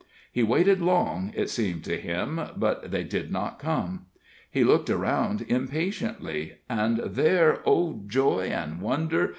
He waited long, it seemed to him, but they did not come. He looked around impatiently, and there, O, joy and wonder!